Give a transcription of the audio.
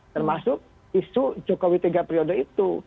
termasuk isu jokowi tiga periode itu